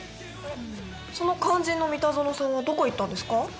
その肝心の三田園さんはどこ行ったんですか？